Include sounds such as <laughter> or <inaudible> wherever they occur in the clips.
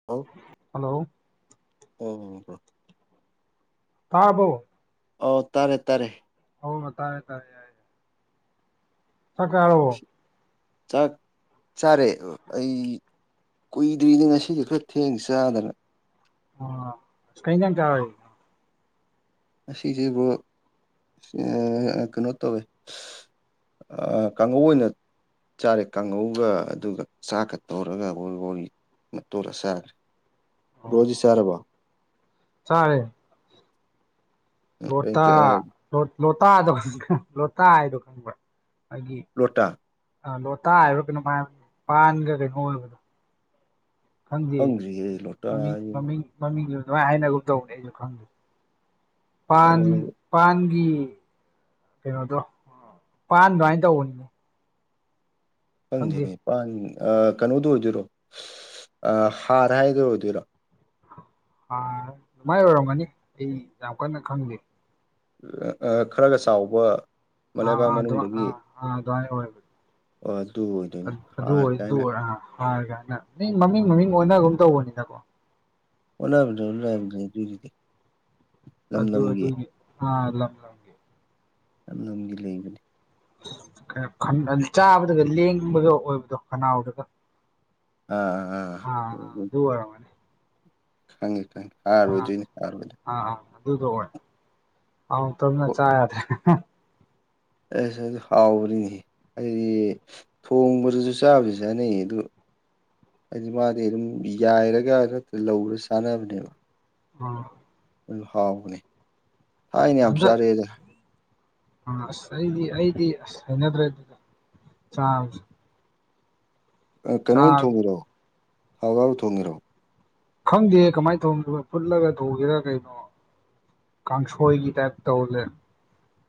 ꯑꯥꯎ ꯍꯜꯂꯣ ꯑꯣ ꯑꯣ ꯍꯣ ꯍꯣꯏ ꯇꯥꯔꯕꯣ ꯑꯧ ꯇꯥꯔꯦ ꯇꯥꯔꯦ ꯍꯧꯅ ꯇꯥꯔꯦ ꯇꯥꯔꯦ ꯌꯥ ꯆꯥꯔꯕꯣ ꯆꯥꯛ ꯆꯥꯔꯦ ꯑꯩ ꯀꯨꯏꯗ꯭ꯔꯤꯗ ꯉꯁꯤꯁꯦ ꯈꯔ ꯊꯦꯡ ꯆꯥꯗꯅ ꯑꯣ ꯀꯩ ꯏꯟꯖꯥꯡ ꯆꯥꯔꯒꯦ ꯉꯁꯤꯁꯦ ꯕꯔꯣ ꯑꯦ ꯀꯩꯅꯣ ꯇꯧꯋꯦ ꯑ ꯀꯥꯡꯉꯧ ꯑꯣꯏꯅ ꯆꯥꯔꯦ ꯀꯥꯡꯉꯧꯒ ꯑꯗꯨꯒ ꯆꯥꯛꯀ ꯇꯧꯔꯒ ꯋꯧꯔꯤ ꯋꯥꯎꯔꯤ ꯃꯇꯣꯜꯂ ꯆꯥꯔꯦ ꯕꯔꯣꯗꯤ ꯆꯥꯔꯕꯣ ꯆꯔꯦ ꯂꯣꯇꯥ ꯂꯣ ꯂꯣꯇꯥꯗꯣ ꯂꯣꯇꯥ ꯍꯥꯏꯗꯣ ꯈꯪꯕ꯭ꯔ ꯑꯩꯒꯤ ꯂꯣꯇꯥ ꯑ ꯂꯣꯇꯥ ꯍꯥꯏꯕ꯭ꯔ ꯀꯩꯅꯣꯝ ꯍꯥꯏꯕꯅꯦ ꯄꯥꯟꯒ ꯀꯩꯅꯣ ꯑꯣꯏꯕꯗꯣ ꯈꯪꯗꯦ ꯈꯪꯗ꯭ꯔꯤꯌꯦ ꯂꯣꯇꯥ ꯃꯃꯤꯡ ꯃꯃꯤꯡ ꯃꯃꯤꯡꯗꯨꯁꯨ ꯑꯗꯨꯃꯥꯏꯅ ꯍꯥꯏꯅꯒꯨꯝ ꯇꯧꯕꯅꯦ ꯑꯩꯁꯨ ꯈꯪꯗꯦ ꯑꯣ ꯄꯥꯟ ꯄꯥꯟꯒꯤ ꯀꯩꯅꯣꯗꯣ ꯄꯥꯟ ꯗꯨꯃꯥꯏꯅ ꯇꯧꯕꯅꯤꯅꯦ ꯈꯪꯗꯦ ꯈꯪꯗꯦꯅꯦ ꯄꯥꯟ ꯑ ꯀꯩꯅꯣꯗꯣ ꯑꯣꯏꯗꯣꯏꯔꯣ ꯑꯥ ꯍꯥꯔ ꯍꯥꯏꯗꯣ ꯑꯣꯏꯗꯣꯏꯔꯣ ꯍꯥꯔ ꯗꯨꯃꯥꯏ ꯑꯣꯏꯔꯝꯒꯅꯤ ꯑꯩ ꯌꯥꯝ ꯀꯟꯅ ꯈꯪꯗꯦ ꯑ ꯑꯥ ꯈꯔꯒ ꯆꯥꯎꯕ ꯑꯥ ꯃꯂꯩꯕꯥꯛ ꯑ ꯑꯗꯨ ꯑ ꯃꯅꯨꯡꯗꯒꯤ ꯑ ꯗꯨꯃꯥꯏ ꯑꯣꯏꯕꯅꯦ ꯑꯣ ꯑꯗꯨ ꯑꯣꯏꯗꯣꯏ ꯑꯗ ꯑꯗꯨ ꯑꯣꯏ ꯗꯨ ꯑꯣꯏ ꯑ ꯍꯥꯔ ꯒꯥꯏꯅ ꯃꯤ ꯃꯃꯤꯡ ꯃꯃꯤꯡ ꯑꯣꯟꯅꯒꯨꯝ ꯇꯧꯕꯅꯤꯗꯀꯣ ꯑꯣꯟꯅꯕꯅꯦ ꯑꯣꯟꯅꯕꯅꯦ ꯗꯨꯒꯤꯗꯤ ꯑꯗꯨ ꯑꯗꯨꯒꯤ ꯑꯥ ꯂꯝ ꯂꯝ ꯑꯅꯝꯒꯤ ꯂꯩꯕꯅꯤ ꯈꯔ ꯈꯟꯕꯟ ꯆꯥꯕꯗꯒ ꯂꯦꯡꯕꯒ ꯑꯣꯏꯕꯗꯣ ꯈꯅꯥꯎꯗꯒ ꯑꯥꯑ ꯑꯥꯑ ꯗꯨ ꯑꯣꯏꯔꯝꯒ ꯈꯪꯉꯤ ꯈꯪꯉꯤ ꯑꯥꯔ ꯑꯥ ꯑꯣꯏꯗꯣꯏꯅꯤ ꯑꯥꯔ ꯑꯣꯏꯗꯣꯏ ꯑꯥ ꯑꯥ ꯑꯗꯨꯗꯣ ꯑꯣꯏ ꯑꯃꯨꯛꯇꯪꯒ ꯆꯥ ꯌꯥꯗꯦ ꯑꯦꯁ ꯑꯗꯨ ꯍꯥꯎꯕꯅꯤꯍꯦ ꯍꯥꯏꯗꯤ ꯊꯣꯡꯕꯗꯁꯨ ꯆꯥꯕꯕꯨꯗꯤ ꯆꯥꯅꯩ ꯑꯗꯨ ꯍꯥꯏꯗꯤ ꯃꯥꯗꯤ ꯑꯗꯨꯝ ꯌꯥꯏꯔꯒ ꯅꯠꯇꯔ꯭ ꯂꯧꯔꯒ ꯆꯥꯅꯕꯅꯦꯕ ꯑ ꯑꯗꯨ ꯍꯥꯎꯕꯅꯦ ꯊꯥꯏꯅ ꯌꯥꯝ ꯆꯥꯔꯛꯑꯦꯗꯥ ꯑ ꯑꯁ ꯑꯩꯗꯤ ꯑꯩꯗꯤ ꯑꯁ ꯍꯩꯅꯗ꯭ꯔꯦ ꯑꯗꯨꯗꯣ ꯆꯥꯕꯗꯣ ꯑ ꯀꯩꯅꯣ ꯑꯣꯏꯅ ꯊꯣꯡꯉꯤꯔꯣ ꯊꯥꯎ ꯌꯥꯎꯔ ꯊꯣꯡꯉꯤꯔꯣ ꯈꯪꯗꯦ ꯀꯃꯥꯏꯅ ꯊꯣꯡ ꯐꯨꯠꯂꯒ ꯊꯧꯉꯤꯔꯥ ꯀꯩꯅꯣ ꯀꯥꯡꯁꯣꯏꯒꯤ ꯇꯥꯏꯞ ꯇꯧꯔ ꯂꯩꯔꯝ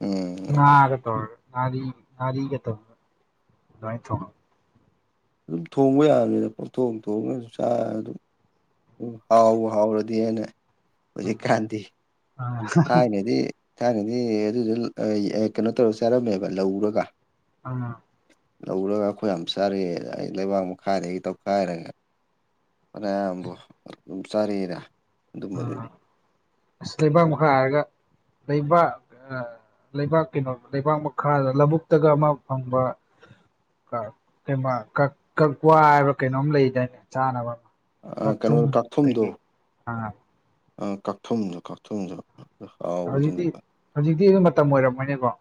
ꯎꯝ ꯉꯥꯒ ꯇꯧꯔꯒ ꯉꯔꯤ ꯉꯔꯤꯒ ꯇꯧꯔ ꯑꯗꯨꯃꯥꯏꯟ ꯊ‌ꯣꯡꯉꯝ ꯑꯗꯨꯝ ꯊꯣꯡꯕ ꯌꯥꯕꯅꯤꯗ ꯄꯪꯊꯣꯡ ꯊꯣꯡꯉꯁꯨ ꯆꯥ ꯑꯗꯨꯝ ꯎꯝ ꯍꯥꯎꯕꯨ ꯍꯥꯎꯔꯗꯤꯅ ꯍꯧꯖꯤꯛꯀꯥꯟꯗꯤ ꯑꯥ ꯊꯥꯏꯅꯗꯤ ꯊꯥꯏꯅꯗꯤ ꯑꯗꯨꯗꯨ ꯎ ꯀꯩꯅꯣ ꯇꯧꯔ ꯆꯥꯔꯝꯃꯦꯕ ꯂꯧꯔꯒ ꯑꯥ ꯂꯧꯔꯒ ꯑꯩꯈꯣꯏ ꯌꯥꯝ ꯆꯥꯔꯛꯑꯦ ꯑꯩ ꯂꯩꯕꯥꯛ ꯃꯈꯥꯗꯩ ꯇꯧꯈꯥꯏꯔꯒ ꯐꯅꯌꯥꯝꯕꯣ ꯆꯥꯔ‌ꯑꯦꯗ ꯎꯝ ꯑꯁ ꯂꯩꯕꯥꯛ ꯃꯈꯥ ꯍꯥꯏꯔꯒ ꯂꯩꯕꯥꯛ ꯑ ꯂꯩꯕꯥꯛ ꯀꯩꯅꯣ ꯂꯩꯕꯥꯛ ꯃꯈꯥꯗ ꯂꯧꯕꯨꯛꯇꯒ ꯑꯃ ꯐꯪꯕ ꯀ ꯀꯩꯕ ꯀꯛ ꯀꯛꯋꯥ ꯍꯥꯏꯕ꯭ꯔ ꯀꯩꯅꯣꯝ ꯂꯩꯗꯥꯏꯅꯦ ꯆꯥꯅꯕ ꯑꯥ ꯀꯩꯅꯣ ꯀꯛꯊꯨꯝ ꯀꯥꯛꯊꯨꯝꯗꯣ ꯀꯩꯀꯩ ꯑꯥ ꯑ ꯀꯛꯊꯨꯝꯖꯨ ꯀꯛꯊꯨꯝꯖꯨ ꯍꯧꯖꯤꯛꯇꯤ ꯍꯧꯖꯤꯛꯇꯤ ꯑꯗꯨ ꯃꯇꯝ ꯑꯣꯏꯔꯝꯃꯣꯏꯅꯦꯀ‌ꯣ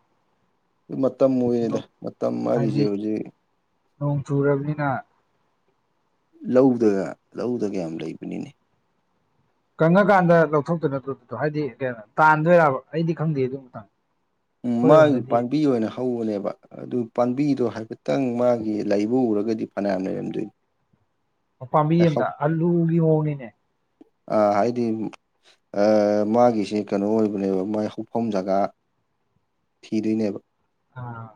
ꯃꯇꯝ ꯑꯣꯏꯌꯦꯗ ꯃꯇꯝ ꯍꯥꯏꯗꯤ ꯍꯥꯏꯔꯤꯖ‌ꯦ ꯍꯧꯖꯤꯛ ꯅꯣꯡ ꯆꯨꯔꯕꯅꯤꯅ ꯂꯧꯗꯒ ꯂꯧꯗꯒ ꯌꯥꯝ ꯂꯩꯕꯅꯤꯅꯦ ꯀꯪꯉꯀꯥꯟꯗ ꯂꯧꯊꯣꯛꯇꯣꯏ ꯅꯠꯇ꯭ꯔꯣꯗꯨꯗꯣ ꯍꯥꯏꯗꯤ ꯀꯩꯅ ꯇꯥꯟꯗꯣꯏꯔꯕ ꯑꯩꯗꯤ ꯈꯪꯗꯦ ꯑꯗꯨ ꯃꯇꯥꯡ ꯎꯝ ꯃꯥꯒꯤ ꯑꯩꯈꯣꯏꯔꯣꯝꯗꯗꯤ ꯄꯥꯝꯕꯤ ꯑꯣꯏꯅ ꯍꯧꯕꯅꯦꯕ ꯑꯗꯨ ꯄꯥꯝꯕꯤꯗꯣ ꯍꯥꯏꯐꯦꯠꯇꯪ ꯃꯥꯒꯤ ꯂꯩꯕ ꯎꯔꯒꯗꯤ ꯐꯅꯌꯥꯝ ꯂꯩꯔꯝꯗꯣꯏ ꯄꯥꯝꯕꯤ ꯑꯝꯅ ꯑꯜꯂꯨꯒꯤ ꯃꯋ‌ꯣꯡꯅꯤꯅꯦ ꯑ ꯍꯥꯏꯗꯤ ꯑꯥ ꯃꯥꯒꯤꯁ‌ꯦ ꯀꯩꯅꯣ ꯑꯣꯏꯕꯅꯦꯕ ꯃꯥꯏ ꯍꯧꯐꯝ ꯖꯒꯥ ꯊꯤꯗꯣꯏꯅꯦꯕ ꯑꯥ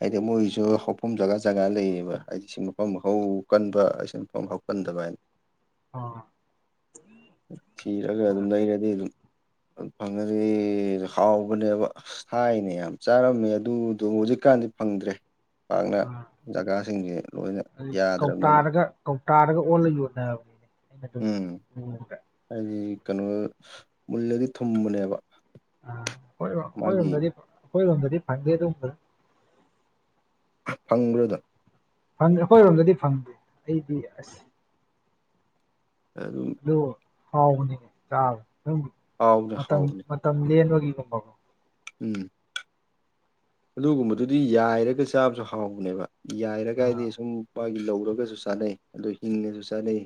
ꯍꯥꯏꯗꯤ ꯃꯣꯏꯁꯨ ꯍꯧꯐꯝ ꯖꯒꯥ ꯖꯒꯥ ꯂꯩꯌꯦꯕ ꯍꯥꯏꯗꯤ ꯁꯤ ꯃꯐꯝ ꯍꯧ ꯀꯟꯕ ꯁꯤ ꯃꯐꯝ ꯍꯧ ꯒꯟꯗꯕ ꯍꯥꯏꯅ ꯑꯣ ꯊꯤꯔꯒ ꯑꯗꯨꯝ ꯂꯩꯔꯗꯤ ꯗꯨꯝ ꯐꯪꯉꯗꯤ ꯍꯥꯎꯕꯅꯦꯕ ꯑꯁ ꯊꯥꯏꯅ ꯌꯥꯝ ꯆꯥꯔꯝꯃꯦ ꯑꯗꯨꯗꯣ ꯍꯧꯖꯤꯛꯀꯥꯟꯗꯤ ꯐꯪꯗ꯭ꯔꯦ ꯄꯥꯛꯅ ꯖꯒꯥꯁꯤꯡꯁꯦ ꯂꯣꯏꯅ ꯍꯧꯖꯤꯛ ꯌꯥꯗ꯭ꯔꯕꯅꯤꯅ ꯀꯧꯇꯥꯗꯒ ꯀꯧꯇꯥꯗꯒ ꯑꯣꯜꯂ ꯌꯣꯟꯅꯕꯅ‌ꯦ ꯑꯩꯅ ꯎꯝ <unintelligible> ꯕꯗ ꯍꯥꯏꯗꯤ ꯀꯩꯅꯣ ꯃꯨꯜꯂꯗꯤ ꯊꯨꯝꯕꯅꯦꯕ ꯑ ꯑꯩꯈꯣꯏꯔꯣꯝ ꯃꯥꯒꯤ ꯑꯩꯈꯣꯢꯔꯣꯝꯗꯗꯤ ꯑꯩꯈꯣꯏꯔꯣꯝꯗꯗꯤ ꯐꯪꯗꯦ ꯑꯗꯨꯒꯨꯝꯕ ꯐꯪꯕ꯭ꯔ‌ꯣ ꯗꯨꯝ ꯐꯪꯗ‌ꯦ ꯑꯩꯈꯣꯏꯔꯣꯝꯗꯗꯤ ꯐꯪꯗꯦ ꯑꯩꯗꯤ ꯑꯁ <unintelligible> ꯑꯗꯣ ꯍꯥꯎꯕꯅꯤ ꯆꯥꯕ ꯗꯨꯝ ꯍꯥꯎꯕꯅꯦ ꯃꯇꯝ ꯍꯥꯎꯕꯅꯦ ꯃꯇꯝ ꯂꯦꯟꯕꯒꯤꯒꯨꯝꯕ ꯎꯝ ꯑꯗꯨꯒꯨꯝꯕꯗꯨꯗꯤ ꯌꯥꯏꯔꯒ ꯆꯥꯕꯁꯨ ꯍꯥꯎꯕꯅꯦꯕ ꯌꯥꯏꯔꯒ ꯑꯥ ꯍꯥꯏꯗꯤ ꯁꯨꯝ ꯄꯥꯒꯤ ꯂꯧꯔꯒꯁꯨ ꯆꯥꯅꯩ ꯑꯗꯨ ꯍꯤꯡꯅꯁꯨ ꯆꯥꯅꯩ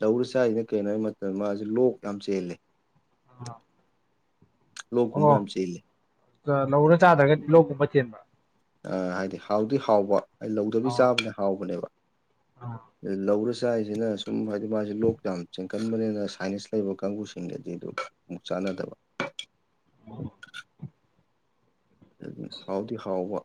ꯂꯧꯔ ꯆꯥꯏꯁꯤꯅ ꯀꯩꯅꯣ ꯍꯥꯏꯕ ꯃꯇꯝ ꯃꯥꯁꯦ ꯂꯣꯛ ꯌꯥꯝ ꯆꯦꯜꯂꯦ ꯑꯣ ꯂꯣꯛꯒꯨꯝꯕ ꯌꯥꯝ ꯆꯦꯜꯂꯦ ꯑ ꯂꯧꯔ ꯆꯥꯗ꯭ꯔꯒꯗꯤ ꯂꯣꯛꯒꯨꯝꯕ ꯆꯦꯟꯕ꯭ꯔ ꯑ ꯍꯥꯏꯗꯤ ꯍꯥꯎꯗꯤ ꯍꯥꯎꯕ ꯑꯩ ꯂꯧꯗꯕꯤ ꯆꯥꯕꯅ ꯍꯥꯎꯕꯅꯦꯕ ꯎꯝ ꯂꯧꯔ ꯆꯥꯏꯁꯤꯅ ꯁꯨꯝ ꯍꯥꯏꯗꯤ ꯃꯥꯁꯦ ꯂꯣꯛ ꯌꯥꯝ ꯆꯦꯟꯀꯟꯕꯅꯤꯅ ꯁꯥꯏꯟꯁꯅꯤꯁ ꯂꯩꯕ ꯀꯥꯡꯕꯨꯁꯤꯡꯗꯗꯤ ꯑꯗꯨ ꯑꯃꯨꯛ ꯆꯥꯟꯅꯗꯕ <inaudible> ꯑꯗꯨꯝ ꯍꯥꯎꯗꯤ ꯍꯥꯎꯕ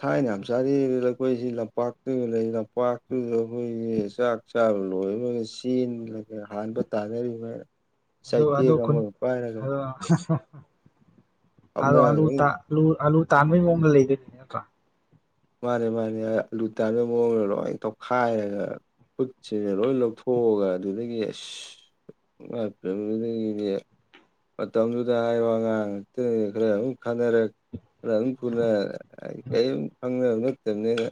ꯊꯥꯢꯅ ꯌꯝ ꯆꯔ꯭ꯛꯢꯗꯤ ꯅꯪ ꯑꯩꯈꯣꯏꯁꯤ ꯂꯝꯄꯥꯛꯇꯒ ꯂꯩ ꯂꯝꯄꯥꯛꯇꯨꯗ ꯑꯩꯈꯣꯏꯒꯤ ꯆꯥꯛ ꯆꯥꯕ ꯂꯣꯏꯔꯒ ꯆꯦꯟꯕ ꯍꯥꯟꯕ ꯇꯥꯅꯔꯤꯕ ꯆꯩꯇꯦꯛ ꯑꯃꯒ ꯄꯥꯏꯔꯒ ꯑꯂꯨ ꯑꯂꯨ ꯑꯝꯅꯒꯗꯪ ꯇꯥꯟ ꯑꯂꯨ ꯑꯂꯨ ꯇꯥꯟꯕꯩ ꯃꯑꯣꯡꯗ ꯂꯩꯒꯅꯤ ꯅꯠꯇ꯭ꯔꯥ ꯃꯥꯅꯦ ꯃꯥꯅꯦ ꯑꯂꯨ ꯇꯥꯟꯕ ꯃꯑꯣꯡ ꯂꯣꯏ ꯇꯧꯈꯥꯢꯔꯒꯅ ꯈꯨꯠꯁꯤ ꯂꯣꯏ ꯂꯧꯊꯣꯛꯑꯒ ꯑꯗꯨꯗꯒꯤ ꯑꯁ <unintelligible> ꯃꯇꯝꯗꯨꯗ ꯍꯥꯏꯔꯣ ꯑꯉꯥꯡ ꯉꯥꯛꯇ ꯈꯔ ꯑꯃꯨꯛ ꯈꯠꯅꯔꯛ ꯈꯔꯃꯨꯛ ꯐꯨꯅ ꯀꯔꯤꯝ ꯈꯪꯅꯕ ꯅꯠꯇꯕꯅꯤꯅ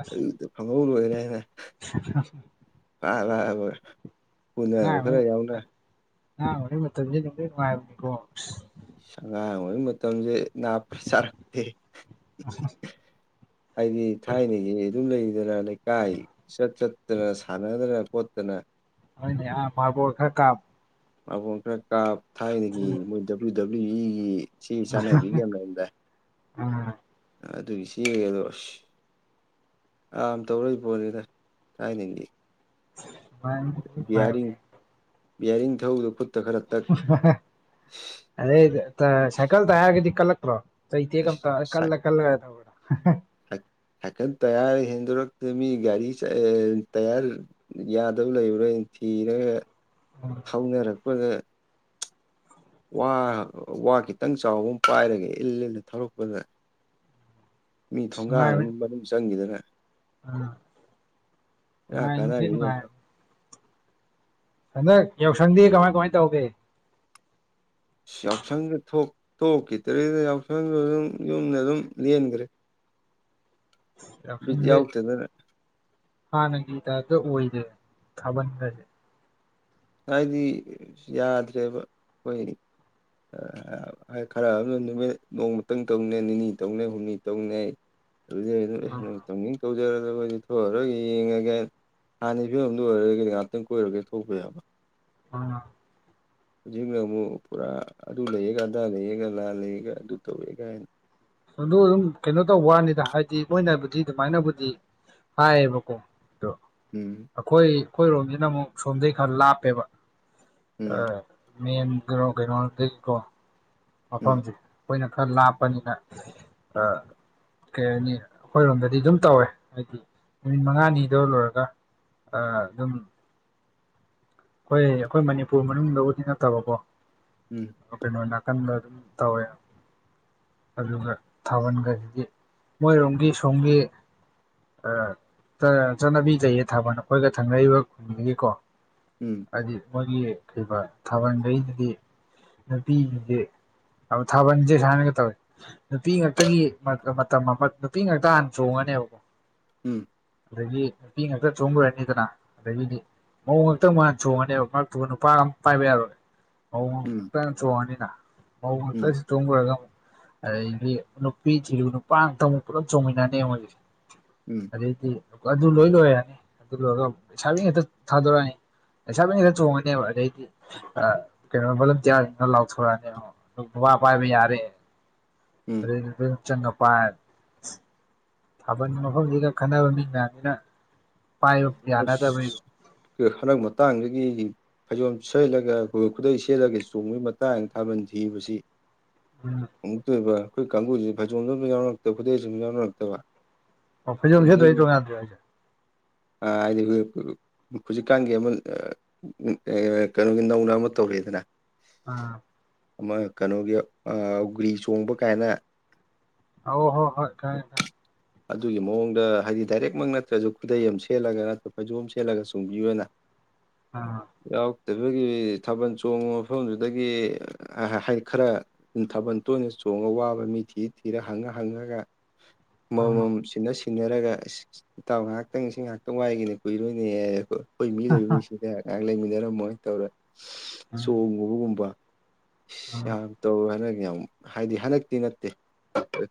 ꯑꯁ ꯑꯂꯨꯗ ꯐꯪꯍꯧ ꯂꯣꯏꯔꯦ ꯍꯥꯏꯅꯥ <inaudible> <inaudible> ꯄꯨꯅꯕ ꯑꯉꯥꯡ ꯑꯣꯢꯔꯤ ꯈꯔ ꯌꯥꯎꯅ ꯃꯇꯝ ꯑꯉꯥꯡ ꯑꯣꯢꯔꯤ ꯃꯇꯝꯗꯣ ꯅꯨꯡꯗꯤ ꯅꯨꯡꯉꯥꯢꯕꯅꯤꯀꯣ ꯑꯁ ꯑꯉꯥꯡ ꯑꯣꯏꯔꯤ ꯃꯇꯝꯁꯦ ꯅꯥꯞꯇꯤ ꯆꯔꯛꯇꯦ <inaudible> ꯍꯥꯏꯗꯤ ꯊꯥꯏꯅꯒꯤ ꯑꯗꯨꯝ ꯂꯩꯗꯅ ꯂꯩꯀꯥꯏ ꯆꯠ ꯆꯠꯇꯅ ꯁꯥꯟꯅꯗꯅ ꯈꯣꯠꯇꯅ ꯍꯣꯏꯅꯦ ꯍꯥ ꯃꯥꯔꯕꯣꯜ ꯈꯔ ꯀꯥꯞ ꯃꯥꯕꯣꯜ ꯈꯔ ꯀꯥꯞ ꯊꯥꯏꯅꯗꯒꯤ ꯃꯣꯏ ꯗꯕ꯭ꯂꯤꯎ ꯗꯕ꯭ꯂꯤꯎ ꯏꯒꯤ ꯆꯦ ꯆꯟꯅꯕꯤꯒ ꯌꯥꯝ ꯂꯩꯔꯝꯗꯥꯢ ꯑꯥ ꯑꯗꯨꯒꯤ ꯆꯦꯒꯗꯣ ꯑꯁ ꯌꯥꯝ ꯇꯧꯔꯛꯏꯕꯣꯠꯅꯤꯗ ꯊꯥꯏꯅꯗꯤ <unintelligible> ꯕꯤꯌꯥꯔꯤꯡ ꯊꯧꯕꯗ ꯈꯨꯠ ꯑꯗꯩ ꯇꯥꯏꯌꯔ ꯁꯥꯏꯀꯜꯇ ꯇꯥꯏꯌꯔꯒꯗꯤ ꯀꯟꯂꯛꯇ꯭ꯔꯣ ꯆꯩꯇꯦꯛ ꯑꯝꯇ ꯀꯜꯂ ꯀꯜꯂꯒ ꯇꯧꯕꯗꯣ ꯁꯥꯢ ꯁꯥꯢꯀꯜ ꯇꯥꯢꯌꯔ ꯍꯦꯟꯗꯣꯔꯣ ꯃꯤ ꯒꯥꯔꯤ ꯆ ꯇꯥꯢꯌꯔ ꯌꯥꯗꯕ ꯂꯩꯕꯗꫭ ꯑꯩꯅꯥ ꯊꯤꯔꯒ ꯊꯧꯅꯔꯛꯄꯗ ꯋꯥ ꯋꯥ ꯈꯤꯇꯪ ꯆꯥꯎꯕ ꯑꯃ ꯄꯥꯏꯔꯒ ꯏꯜ ꯏꯜꯒ ꯊꯧꯔꯛꯄꯗꯥ ꯃꯤ ꯊꯣꯡꯒꯥꯜ ꯅꯨꯡꯉꯥꯏꯕꯅꯤ ꯃꯅꯨꯡ ꯆꯪꯈꯤꯗꯅ ꯑꯥ ꯀꯥꯗꯒ ꯅꯨꯡꯉꯥꯏꯕꯗꯤ ꯅꯨꯡꯉꯥꯏꯕꯅꯤ <unintelligible> ꯍꯟꯗꯛ ꯌꯥꯎꯁꯪꯗꯤ ꯀꯃꯥꯏ ꯀꯃꯥꯏ ꯇꯧꯒꯦ ꯑꯁ ꯌꯥꯎꯁꯪꯗ ꯊꯣꯛꯈꯤꯗꯔꯤꯗ ꯌꯥꯎꯁꯪꯒ ꯑꯗꯨꯝ ꯌꯨꯝꯗ ꯑꯗꯨꯝ ꯂꯦꯟꯈ꯭ꯔꯦ ꯕꯤꯠ ꯌꯥꯎꯁꯪꯁꯦ ꯌꯥꯎꯗꯗꯥꯅ ꯍꯥꯟꯅꯒꯤ ꯇꯥꯏꯞꯗ ꯑꯣꯏꯗ꯭ꯔ‌ꯦ ꯊꯥꯕꯜ ꯒꯁ‌ꯦ ꯍꯥꯏꯗꯤ ꯌꯥꯗ꯭ꯔꯦꯕ ꯑꯈ‌ꫭꯏ ꯈꯔ ꯑꯃꯅ ꯅꯨꯃꯤꯠ ꯅꯣꯡꯃꯛꯇꯪ ꯇꯧꯅꯦ ꯅꯤꯅꯤ ꯇꯧꯅꯦ ꯍꯨꯝꯅꯤ ꯇꯧꯅꯤ ꯑꯥ ꯑꯗꯩꯅ ꯇꯧꯅꯤꯡ ꯇꯧꯖꯔꯗ ꯑꯩꯗꯤ ꯊꯣꯛꯑꯔꯒ‌ꯦ ꯌꯦꯡꯉꯒ‌ꯦ ꯍꯥꯟꯅ ꯐꯤꯝꯗꯨ ꯑꯣꯏꯔꯒꯗꯤ ꯉꯍꯥꯛꯇꯪ ꯀꯣꯏꯔꯒꯦ ꯊꯧꯛꯄꯥ ꯌꯥꯕ ꯎꯝ ꯍꯧꯖꯤꯛꯅ ꯑꯃꯨꯛ ꯄꯨꯔꯥ ꯑꯗꯨ ꯂꯩꯌꯦꯒ ꯑꯗꯥ ꯂꯩꯌꯦꯒ ꯂꯥ ꯂꯩꯌꯦꯒ ꯑꯗꯨ ꯇꯧꯔꯦ ꯍꯥꯏꯅ ꯑꯗꯨꯝ ꯀꯩꯅꯣ ꯇꯧꯕ ꯋꯥꯅꯤꯗ ꯍꯥꯏꯗꯤ ꯃꯣꯏꯅꯕꯨꯗꯤ ꯑꯗꯨꯃꯥꯏꯅꯕꯨꯗꯤ ꯍꯥꯏꯕꯀꯣ ꯑꯗꯨ ꯎꯝ ꯑꯩꯈꯣꯏ ꯑꯩꯈꯣꯏꯔꯣꯝꯒꯤꯅ ꯑꯃꯨꯛ ꯁꯣꯝꯗꯩ ꯈꯔ ꯂꯥꯞꯄꯦꯕ ꯎꯝ ꯑꯥ ꯃꯦꯟ ꯀꯩꯅꯣ ꯀꯩꯅꯣ ꯗꯩꯀꯣ ꯎꯝ ꯃꯐꯝꯖꯦ ꯑꯩꯈꯣꯏꯅ ꯈꯔ ꯂꯥꯞꯄꯅꯤꯅ ꯑꯥ ꯀꯩ ꯍꯥꯏꯅꯤ ꯑꯩꯈꯣꯏꯔꯣꯝꯗꯗꯤ ꯑꯗꯨꯝ ꯇꯧꯋꯦ ꯍꯥꯏꯗꯤ ꯅꯨꯃꯤꯠ ꯃꯉꯥꯅꯤꯗꯣ ꯂꯣꯏꯔꯒ ꯑꯥ ꯑꯗꯨꯝ ꯑꯩꯈꯣꯏ ꯑꯩꯈꯣꯏ ꯃꯅꯤꯄꯨꯔ ꯃꯅꯨꯡꯗꯕꯨꯗꯤ ꯅꯠꯇꯕꯀꯣ ꯎꯝ ꯑ ꯀꯩꯅꯣ ꯅꯥꯀꯟꯗ ꯑꯗꯨꯝ ꯇꯧꯋꯦ ꯑꯗꯨꯒ ꯊꯥꯕꯟꯒ ꯃꯣꯏꯔꯣꯝꯒꯤ ꯁꯣꯝꯒꯤ ꯑ ꯆꯠꯅꯕꯤ ꯂꯩꯌꯦ ꯊꯥꯕꯟ ꯑꯩꯈꯣꯏꯒ ꯊꯪꯅꯔꯤꯕ ꯈꯨꯟꯗꯨꯒꯤꯀꯣ ꯎꯝ ꯍꯥꯏꯗꯤ ꯃꯣꯏꯒꯤ ꯀꯩꯕꯥ ꯊꯥꯕꯟꯗꯩꯗꯨꯗꯤ ꯅꯨꯄꯤꯖꯤꯡꯖꯤ ꯑꯧ ꯊꯥꯕꯟꯖꯦ ꯁꯥꯏꯅꯒꯥ ꯇꯧꯋꯦ ꯅꯨꯄꯤ ꯉꯥꯛꯇꯒꯤ ꯃꯇꯝ ꯑꯃ ꯅꯨꯄꯤ ꯉꯥꯛꯇ ꯍꯥꯟꯅ ꯆꯣꯡꯉꯅꯦꯕꯀꯣ ꯎꯝ ꯑꯗꯒꯤ ꯅꯨꯄꯤ ꯉꯥꯛꯇ ꯆꯣꯡ ꯂꯣꯏꯔꯅꯤꯗꯅ ꯑꯗꯒꯤꯗꯤ ꯃꯧ ꯈꯛꯇꯥ ꯑꯃꯨꯛ ꯍꯥꯟ ꯆꯣꯡꯉꯅꯦꯕ ꯃꯔꯛꯇꯨ ꯅꯨꯄꯥ ꯑꯝ ꯄꯥꯏꯕ ꯌꯥꯔꯣꯏ ꯃꯧ ꯎꯝ ꯉꯥꯛꯇ ꯆꯣꯡꯉꯅꯤꯅ ꯃꯧ ꯉꯥꯛꯇ ꯎꯝ ꯆꯣꯡ ꯂꯣꯏꯔꯒ ꯑꯃꯨꯛ ꯑꯗꯩꯗꯤ ꯅꯨꯄꯤ ꯊꯤꯔꯨꯕ ꯅꯨꯄꯥ ꯉꯥꯛꯇ ꯑꯃꯨꯛ ꯄꯨꯂꯞ ꯆꯣꯡꯃꯤꯟꯅꯅꯤ ꯃꯣꯏꯒꯤꯁꯦ ꯎꯝ ꯑꯗꯩꯗꯤ ꯑꯗꯨ ꯂꯣꯏ ꯂꯣꯏꯔꯅꯤ ꯑꯗꯨ ꯂꯣꯏꯔꯒ ꯑꯃꯨꯛ ꯂꯩꯁꯥꯕꯤ ꯉꯥꯛꯇ ꯊꯥꯗꯣꯔꯛꯑꯅꯤ ꯂꯩꯁꯥꯕꯤ ꯉꯥꯛꯇ ꯆꯣꯡꯉꯅꯦꯕ ꯑꯗꯩꯗꯤ ꯑ ꯀꯩꯅꯣ ꯕꯣꯂꯨꯟꯇꯤꯌꯥꯔ <unintelligible> ꯂꯥꯎꯊꯣꯔꯛꯑꯅꯤꯕ ꯑ ꯅꯨꯄꯥ ꯄꯥꯏꯕ ꯌꯥꯔꯦ ꯎꯝ ꯑꯗꯩꯗꯤ ꯑꯗꯨꯝ ꯆꯪꯉꯥ ꯄꯥꯏ ꯊꯥꯕꯟ ꯃꯐꯝꯖꯤꯗ ꯈꯟꯅꯕ ꯃꯤ ꯃꯌꯥꯝꯖꯤꯅ ꯄꯥꯏꯕ ꯌꯥꯅꯗꯕꯩ ꯑꯁ ꯍꯟꯗꯛ ꯃꯇꯥꯡꯗꯒꯤ ꯐꯩꯖꯣꯝ ꯁꯦꯠꯂꯒ ꯑꯩꯈꯣꯏ ꯈꯨꯗꯩ ꯁꯦꯠꯂꯒ ꯆꯣꯡꯕꯒꯤ ꯃꯇꯥꯡ ꯊꯥꯕꯟ ꯊꯤꯕꯁꯤ ꯎꯝ ꯑꯃꯨꯛꯇꯣꯏꯕ ꯑꯩꯈꯣꯏ ꯀꯥꯡꯒꯨꯖꯤ ꯐꯩꯖꯣꯝꯖꯨ ꯑꯝꯇꯥ ꯌꯥꯎꯅꯔꯛꯇꯕ ꯈꯨꯗꯩꯁꯨ ꯑꯝꯇꯥ ꯌꯥꯎꯅꯔꯛꯇꯕ ꯑꯣ ꯐꯩꯖꯣꯝ ꯁꯦꯠꯇ꯭ꯔꯗꯤ ꯇꯣꯡꯉꯥꯟꯗ꯭ꯔꯤꯔꯣ ꯍꯥꯏꯖꯦ ꯑ ꯍꯥꯏꯗꯤ ꯍꯧꯖꯤꯛꯀꯥꯟꯒꯤ ꯑꯃ ꯀꯩꯅꯣꯒꯤ ꯅꯧꯅ ꯑꯃ ꯇꯧꯔꯤꯗꯅ ꯑꯥ ꯑꯃ ꯀꯩꯅꯣꯒꯤ ꯑ ꯑꯧꯒ꯭ꯔꯤ ꯆꯣꯡꯕ ꯀꯥꯏꯅ ꯑꯧ ꯍꯣ ꯍꯣꯏ ꯈꯪꯉꯦ ꯈꯪꯉꯦ ꯑꯗꯨꯒꯤ ꯃꯑꯣꯡꯗ ꯍꯥꯏꯗꯤ ꯗꯥꯏꯔꯦꯛꯃꯛ ꯅꯠꯇ꯭ꯔꯖꯨ ꯈꯨꯗꯩ ꯑꯃ ꯁꯦꯠꯂꯒ ꯅꯠꯇ꯭ꯔ ꯐꯩꯖꯣꯝ ꯁꯦꯠꯂꯒ ꯆꯣꯡꯕꯤꯌꯣꯅ ꯑꯥ ꯌꯥꯎꯔꯛꯕꯒꯤ ꯊꯥꯕꯟ ꯆꯣꯡꯕ ꯃꯐꯝꯗꯨꯗꯒꯤ <unintelligible> ꯍꯥꯏꯗꯤ ꯈꯔ ꯊꯥꯕꯟ ꯇꯣꯏꯅ ꯆꯣꯡꯉꯥ ꯋꯥꯕ ꯃꯤ ꯊꯤ ꯊꯤꯔꯥ ꯍꯪꯉ ꯍꯪꯉꯒ ꯎꯝ ꯃꯝꯃꯝ ꯁꯤꯟꯅ ꯁꯤꯟꯅꯔꯒ ꯑꯁ ꯏꯇꯥꯎ ꯉꯥꯏꯍꯥꯛꯇꯪ ꯁꯤ ꯉꯍꯥꯛꯇꯪ ꯋꯥꯏꯒꯦꯅꯦ ꯀꯨꯏꯔꯣꯏꯅꯦ ꯍꯥꯏꯔꯒ ꯑꯩꯈꯣꯏ ꯃꯤ ꯂꯩꯕꯅꯤ ꯁꯤꯗ ꯉꯥꯏꯍꯥꯛ ꯂꯩꯃꯤꯟꯅꯔꯝꯃꯣ ꯇꯧꯔꯥ ꯎꯝ ꯆꯣꯡꯉꯨꯕꯒꯨꯝꯕ ꯎꯝ ꯌꯥꯝ ꯇꯧꯔꯣ ꯍꯥꯏꯅ ꯌꯥꯝ ꯍꯥꯏꯗꯤ ꯍꯟꯗꯛꯇꯤ ꯅꯠꯇꯦ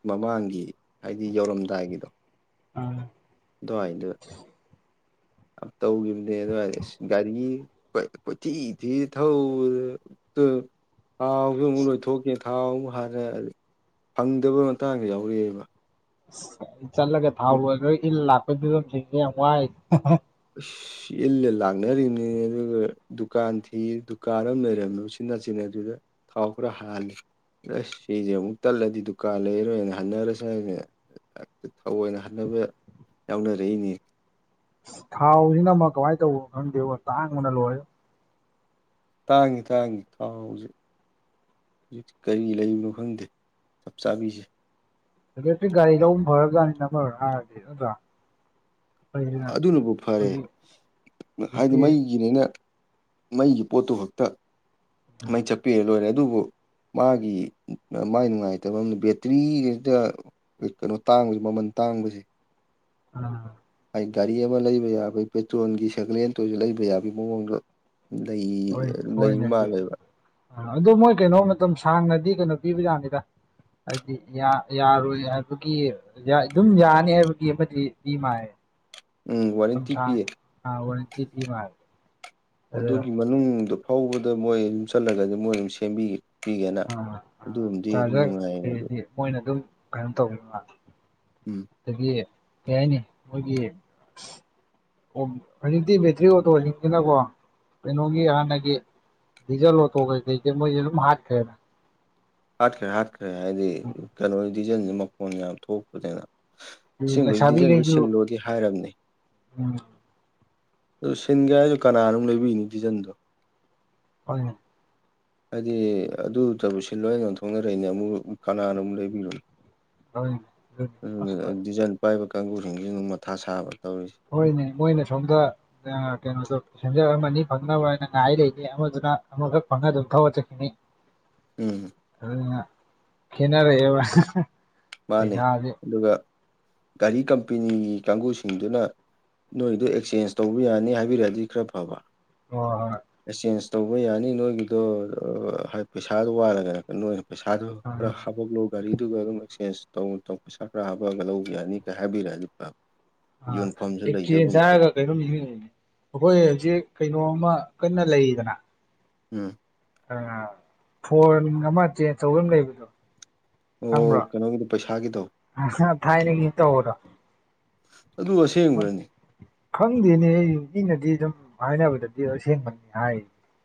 ꯃꯃꯥꯡꯒꯤ ꯍꯥꯏꯗꯤ ꯌꯧꯔꯝꯗꯥꯏꯒꯤꯗꯣ ꯎꯝ ꯑꯗꯨꯋꯥꯢꯗ ꯇꯧꯈꯤꯕꯅꯦ ꯑꯗꯨꯋꯥꯢꯗꯤ ꯒꯥꯔꯤꯒꯤ ꯀꯣꯏꯊꯤ ꯊꯤ ꯊꯧꯔꯦ ꯑꯗꯟ ꯊꯥꯎꯁꯨ ꯑꯃꯨꯛ ꯂꯣꯏꯊꯣꯛꯒꯤ ꯊꯥꯎ ꯑꯃ ꯍꯥꯟꯂꯦ ꯐꯪꯗꯕꯩ ꯃꯇꯥꯡꯁꯨ ꯌꯥꯎꯔꯛꯑꯦꯕ ꯆꯠꯂꯒ ꯊꯥꯎ ꯑꯗꯨꯝ ꯂꯣꯏꯈ꯭ꯔꯥ ꯏꯜ ꯂꯥꯛꯄ ꯐꯤꯕꯝꯁꯤꯡꯁꯦ ꯌꯥꯝ ꯋꯥꯔꯤꯁꯦ ꯢꯁ ꯁꯤ ꯏꯜꯂ ꯂꯥꯛꯅꯔꯤꯕꯅꯤ ꯑꯗꯨꯒ ꯗꯨꯀꯥꯟ ꯊꯤ ꯗꯨꯀꯥꯟ ꯑꯃ ꯂꯩꯔꯝꯂꯦ ꯎꯆꯤꯟ ꯅꯆꯤꯟꯅ ꯑꯗꯨꯗ ꯊꯥꯎ ꯈꯔ ꯍꯥꯜꯂꯦ ꯑꯁ ꯁꯤꯗꯤ ꯑꯃꯨꯛ ꯇꯠꯂꯗꯤ ꯗꯨꯀꯥꯟ ꯂꯩꯔꯣꯏꯅ ꯍꯟꯅꯔꯁꯤ ꯍꯥꯏꯅ ꯊꯧꯑꯣꯏ ꯑꯣꯏꯅ ꯍꯟꯅꯕ ꯌꯥꯎꯅꯔꯛꯏꯅꯦ ꯊꯥꯎꯁꯤꯅ ꯑꯃ ꯀꯃꯥꯏꯅ ꯇꯧꯕꯅꯣ ꯈꯪꯗꯦ ꯇꯥꯡꯕꯅ ꯂꯣꯏꯔꯦ ꯇꯥꯡꯉꯤ ꯇꯥꯡꯉꯤ ꯊꯥꯎꯁꯦ ꯍꯧꯖꯤꯛ ꯀꯔꯤ ꯂꯩꯕꯅꯣ ꯈꯪꯗꯦ ꯆꯞ ꯆꯥꯕꯤꯁꯦ ꯏꯂꯦꯛꯇ꯭ꯔꯤꯛ ꯒꯥꯔꯤ ꯂꯧꯕꯅ ꯐꯔꯖꯠꯅꯤꯗ ꯑꯃꯔꯣꯝ ꯍꯥꯏꯔꯗꯤ ꯅꯠꯇ꯭ꯔꯥ ꯑꯩꯈꯣꯏꯁꯤꯅ ꯑꯗꯨꯅꯕꯨ ꯐꯔꯦ ꯑꯩꯈꯣꯏꯒꯤ ꯍꯥꯏꯗꯤ ꯍꯧꯖꯤꯛꯀꯤ ꯃꯩꯒꯤꯅꯤꯅ ꯃꯩꯒꯤ ꯄꯣꯠꯇꯨ ꯈꯛꯇ ꯃꯩ ꯆꯠꯄꯤꯔ ꯂꯣꯏꯔꯦ ꯑꯗꯨꯕꯨ ꯃꯥꯒꯤ ꯃꯥꯏ ꯅꯨꯡꯉꯥꯏꯇꯕ ꯑꯃꯅ ꯕꯦꯇ꯭ꯔꯤ ꯍꯦꯛꯇ ꯀꯩꯅꯣ ꯇꯥꯡꯕꯁꯦ ꯃꯃꯜ ꯇꯥꯡꯕꯁꯦ ꯑꯥ ꯑꯩ ꯒꯥꯔꯤ ꯑꯃ ꯂꯩꯕ ꯌꯥꯕꯒꯤ ꯄꯦꯇ꯭ꯔꯣꯜꯒꯤ ꯁꯥꯏꯀꯜ ꯍꯦꯟꯇ ꯑꯣꯏꯁꯨ ꯂꯩꯕ ꯌꯥꯕꯒꯤ ꯃꯑꯣꯡꯗꯣ ꯂꯩ ꯍꯣꯏ ꯂꯩ ꯍꯣꯏꯅꯦ ꯑꯗꯨ ꯃꯥꯜꯂꯦꯕ ꯑꯗꯣ ꯃꯣꯏ ꯀꯩꯅꯣ ꯃꯇꯝ ꯁꯥꯡꯅꯗꯤ ꯀꯩꯅꯣ ꯄꯤꯕ ꯖꯠꯅꯤꯗ ꯍꯥꯏꯗꯤ ꯌꯥꯔꯣꯏ ꯍꯥꯏꯕꯒꯤ ꯑꯗꯨꯝ ꯌꯥꯅꯤ ꯍꯥꯏꯕꯒꯤ ꯑꯃꯗꯤ ꯄꯤ ꯃꯥꯜꯂꯦ ꯎꯝ ꯃꯇꯝ ꯋꯥꯔꯦꯟꯇꯤ ꯄꯤꯌꯦ ꯁꯥꯡꯅ ꯑ ꯋꯥꯔꯦꯟꯇꯤ ꯄꯤ ꯃꯥꯜꯂꯦ ꯑꯗ ꯑꯗꯨꯒꯤ ꯃꯅꯨꯡꯗꯣ ꯐꯥꯎꯕꯗ ꯃꯣꯏ ꯑꯗꯨꯝ ꯆꯠꯂꯒꯗꯤ ꯃꯣꯏ ꯑꯗꯨꯝ ꯁꯦꯝꯕꯤꯒꯦ ꯁꯦꯝꯄꯤꯒꯦꯅ ꯑ ꯑ ꯑꯗꯨꯒꯨꯝꯕꯗꯤ ꯑꯗꯨꯝ ꯆꯥꯔꯖꯔ ꯅꯨꯡꯉꯥꯏꯌꯦ ꯑꯗꯣ ꯀꯩꯗꯤ ꯃꯣꯏꯅ ꯑꯗꯨꯝ ꯀꯩꯅꯣ ꯇꯧꯋꯦꯕ ꯎꯝ ꯑꯗꯒꯤ ꯀꯩ ꯍꯥꯏꯅꯤ ꯃꯣꯏꯒꯤ ꯑꯣ ꯍꯧꯖꯤꯛꯇꯤ ꯕꯦꯇ꯭ꯔꯤ ꯑꯣꯇꯣꯁꯤꯡꯁꯤꯅꯀꯣ ꯀꯩꯅꯣꯒꯤ ꯍꯥꯟꯅꯒꯤ ꯗꯤꯖꯜ ꯑꯣꯇꯣꯉꯩꯁꯤ ꯀꯩ ꯀꯩ ꯁꯦ ꯃꯣꯏꯅ ꯍꯥꯠꯈ꯭ꯔꯦꯅ ꯍꯥꯠꯈ꯭ꯔꯦ ꯍꯥꯠꯈ꯭ꯔꯦ ꯍꯥꯏꯗꯤ ꯀꯩꯅꯣ ꯗꯤꯖꯟꯁꯦ ꯃꯈꯣꯟ ꯌꯥꯝ ꯊꯣꯛꯄꯅꯤꯅ ꯑꯁꯦꯠꯕꯩꯗꯤ ꯗꯤꯖꯟꯗꯨ ꯂꯩꯁꯥꯕꯤꯈꯩꯁꯨ ꯁꯤꯜꯂꯣꯏꯅꯗꯤ ꯍꯥꯏꯔꯕꯅꯤ ꯎꯝ ꯑꯗꯨ ꯁꯤꯟꯒꯦ ꯍꯥꯏꯔꯁꯨ ꯀꯅꯥꯅꯥ ꯑꯃꯨꯛ ꯂꯩꯕꯤꯅꯤ ꯗꯤꯖꯟꯗꯣ ꯃꯥꯅꯦ ꯍꯥꯏꯗꯤ ꯑꯗꯨ ꯇꯕꯨ ꯁꯤꯜꯂꯣꯅ ꯌꯣꯟꯊꯣꯛꯅꯔꯛꯏꯅꯦ ꯑꯃꯨꯛ ꯀꯅꯥꯅ ꯑꯃꯨꯛ ꯂꯩꯕꯤꯔꯣꯢ ꯍꯣꯏꯅꯦ ꯑꯗꯨꯅꯤ ꯑꯗꯨꯅ ꯑꯁ ꯗꯤꯖꯥꯏꯟ ꯄꯥꯏꯕ ꯀꯥꯡꯒꯨꯁꯤꯡꯁꯤ ꯑꯗꯨꯝ ꯃꯊꯥ ꯁꯥꯕ ꯇꯧꯔꯤꯁꯦ ꯍꯣꯏꯅꯦ ꯃꯣꯏꯅ ꯁꯣꯝꯗ ꯀꯩꯅꯣꯗꯣ ꯁꯦꯟꯖꯔ ꯑꯃꯅꯤ ꯐꯪꯅꯕ ꯍꯥꯏꯅ ꯉꯥꯏꯔ ꯂꯩꯅꯤ ꯑꯃꯗꯨꯅ ꯑꯃꯈꯛ ꯐꯪꯉꯒ ꯑꯗꯨꯝ ꯊ ꯊꯧꯒꯠꯂ ꯆꯠꯈꯤꯅꯤ ꯎꯝ ꯑꯗꯨꯅ ꯈꯦꯟꯅꯔꯛꯑꯦꯕ ꯃꯥꯅꯦ ꯑꯗꯨꯒ ꯒꯥꯔꯤ ꯀꯝꯄꯦꯅꯤꯒꯤ ꯀꯥꯡꯕꯨꯁꯤꯡꯗꯨꯅ ꯅꯣꯏꯗꯣ ꯑꯦꯛꯆꯦꯟꯁ ꯇꯧꯕ ꯌꯥꯅꯤ ꯍꯥꯏꯕꯤꯔꯛꯑꯗꯤ ꯈꯔ ꯐꯕ <unintelligible> ꯑꯦ ꯆꯦꯟꯖ ꯇꯧꯕ ꯌꯥꯅꯤ ꯅꯣꯏꯒꯤꯗꯣ ꯍꯥꯏ ꯄꯩꯁꯥꯒ ꯋꯥꯔꯒꯅ ꯅꯣꯏꯅ ꯄꯩꯁꯥꯗꯨ ꯎꯝ ꯈꯔ ꯍꯥꯞꯕꯛꯂꯣ ꯒꯥꯔꯤꯗꯨꯒ ꯑꯗꯨꯝ <unintelligible> ꯇꯧ ꯇꯧ ꯄꯩꯁꯥ ꯈꯔ ꯍꯥꯞꯄꯑꯒ ꯂꯧ ꯌꯥꯅꯤꯒ ꯍꯥꯏꯕꯤꯔꯛꯑꯗꯤ <unintelligible> ꯑꯥ ꯌꯣꯟꯐꯝꯁꯨ ꯑꯦꯛꯆꯦꯟꯁ ꯂꯩꯗꯒꯨꯝ ꯇꯧ ꯍꯥꯏꯔꯒ ꯀꯩꯅꯣꯝ ꯅꯤꯡꯖꯤꯡꯉꯦ ꯑꯩꯈꯣꯏ ꯍꯧꯖꯤꯛ ꯀꯩꯅꯣ ꯑꯃ ꯀꯟꯅ ꯂꯩꯔꯤꯗꯅ ꯎꯝ ꯑꯥ ꯐꯣꯟ ꯑꯃ <unintelligible> ꯑꯃ ꯂꯩꯕꯗꯣ ꯈꯪꯕ꯭ꯔꯣ ꯑꯣ ꯀꯩꯅꯣꯒꯤꯗꯣ ꯄꯩꯁꯥꯒꯤꯗꯣ <unintelligible> ꯊꯥꯏꯅꯒꯤ ꯑꯝ ꯇꯧꯕꯗꯣ ꯑꯗꯨ <unintelligible> ꯈꯪꯗꯦꯅꯦ ꯑꯩ ꯃꯤꯅꯗꯤ ꯑꯗꯨꯝ ꯍꯥꯏꯅꯕꯗꯗꯤ ꯑꯁꯦꯡꯕꯅꯤ ꯍꯥꯏꯔꯤ